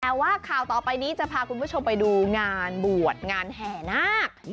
แต่ว่าข่าวต่อไปนี้จะพาคุณผู้ชมไปดูงานบวชงานแห่นาค